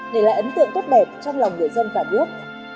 đây là ấn tượng tốt đẹp trong lòng người dân và quốc